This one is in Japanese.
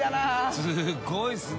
すごいですね。